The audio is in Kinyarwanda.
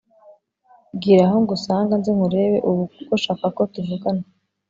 bwira aho ngusanga nze nkurebe ubu kuko shakako tuvugana